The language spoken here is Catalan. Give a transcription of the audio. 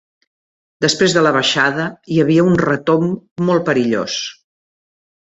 Després de la baixada hi havia un retomb molt perillós.